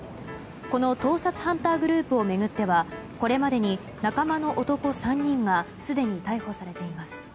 この盗撮ハンターグループを巡ってはこれまでに仲間の男３人がすでに逮捕されています。